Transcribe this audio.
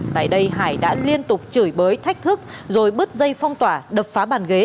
tại đây hải đã liên tục chửi bới thách thức rồi bứt dây phong tỏa đập phá bàn ghế